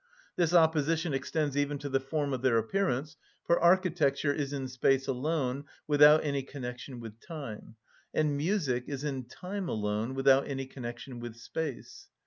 This opposition extends even to the form of their appearance, for architecture is in space alone, without any connection with time; and music is in time alone, without any connection with space.